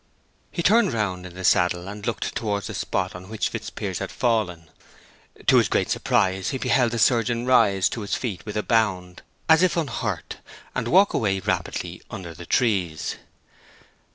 He turned round in the saddle and looked towards the spot on which Fitzpiers had fallen. To his great surprise he beheld the surgeon rise to his feet with a bound, as if unhurt, and walk away rapidly under the trees.